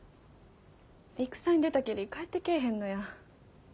戦に出たきり帰ってけぇへんのや。